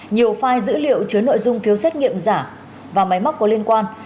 nhiều file dữ liệu chứa nội dung phiếu xét nghiệm giả và máy móc có liên quan